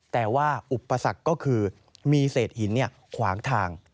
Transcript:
แต่ว่าอุปสรรคก็คือมีเศษหินขวางทาง